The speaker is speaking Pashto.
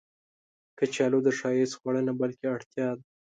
کچالو د ښایست خواړه نه، بلکې اړتیا ده